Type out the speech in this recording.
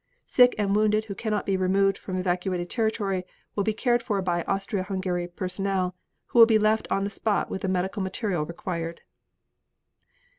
Sick and wounded who cannot be removed from evacuated territory will be cared for by Austria Hungary personnel, who will be left on the spot with the medical material required.